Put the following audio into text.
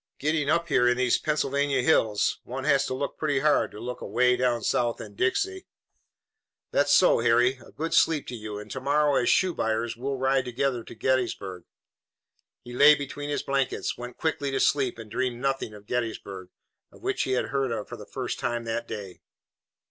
Getting up here in these Pennsylvania hills, one has to look pretty hard to look away down South in Dixie." "That's so, Harry. A good sleep to you, and to morrow, as shoe buyers, we'll ride together to Gettysburg." He lay between his blankets, went quickly to sleep and dreamed nothing of Gettysburg, of which he had heard for the first time that day.